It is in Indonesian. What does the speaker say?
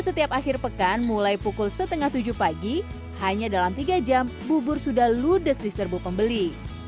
setiap akhir pekan mulai pukul setengah tujuh pagi hanya dalam tiga jam bubur sudah ludes di serbu pembeli